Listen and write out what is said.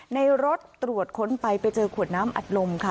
ในรถตรวจค้นไปไปเจอขวดน้ำอัดลมค่ะ